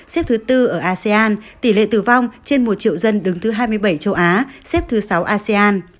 xếp thứ tư ở asean tỷ lệ tử vong trên một triệu dân đứng thứ hai mươi bảy châu á xếp thứ sáu asean